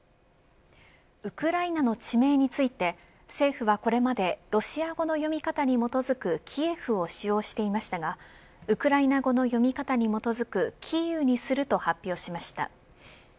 ウクライナの地名について政府はこれまでロシア語の読み方に基づくキエフを使用していましたがウクライナ語の読み方に基づくキーウにすると発表しました。